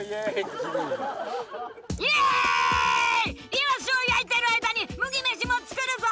イワシを焼いてる間に麦飯も作るぞ！